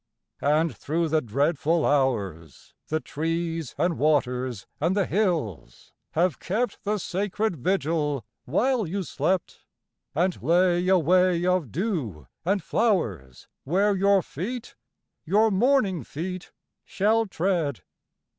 And through the dreadful hours The trees and waters and the hills have kept The sacred vigil while you slept, And lay a way of dew and flowers Where your feet, your morning feet, shall tread.